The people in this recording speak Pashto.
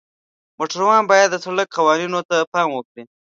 موټروان باید د سړک قوانینو ته پام وکړي.